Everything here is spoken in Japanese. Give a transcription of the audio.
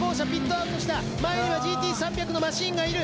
前にはＧＴ３００のマシンがいる！